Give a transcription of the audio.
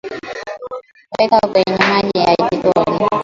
Weka kwenye maji ya jikoni